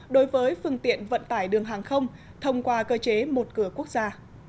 đối với phương tiện vận tải đường hàng không thông qua cơ chế một cửa quốc gia